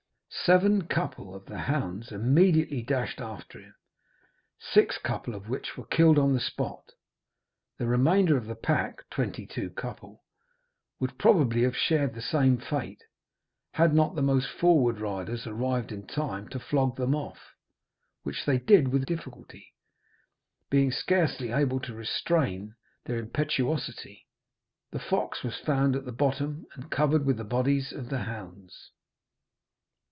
Seven couple of the hounds immediately dashed after him, six couple of which were killed on the spot. The remainder of the pack (twenty two couple) would probably have shared the same fate, had not the most forward riders arrived in time to flog them off, which they did with difficulty, being scarcely able to restrain their impetuosity. The fox was found at the bottom, and covered with the bodies of the hounds.